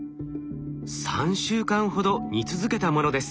３週間ほど煮続けたものです。